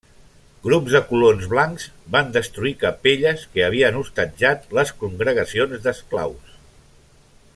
Grups de colons blancs van destruir capelles que havien hostatjat les congregacions d'esclaus.